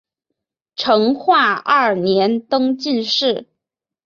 成化二年登进士。